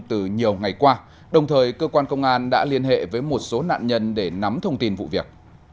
từ nhiều ngày qua đồng thời cơ quan công an đã liên hệ với một số nạn nhân để nắm thông tin vụ việc